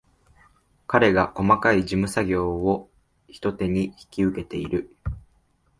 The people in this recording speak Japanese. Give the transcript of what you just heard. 彼が細かい事務作業を一手に引き受けている